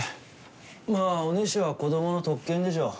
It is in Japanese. まあおねしょは子供の特権でしょ。